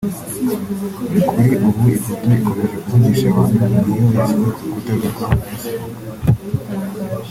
Kuri ubu ifoto ikomeje kuvugisha abantu ni iyo yashyize ku rukuta rwe rwa facebook